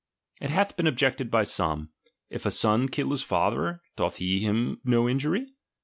It hath been ohjected by some : if a son kill his father, doth he him no injury